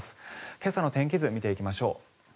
今朝の天気図見ていきましょう。